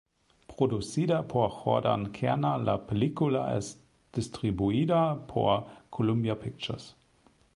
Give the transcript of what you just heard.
Producida por Jordan Kerner, la película es distribuida por Columbia Pictures.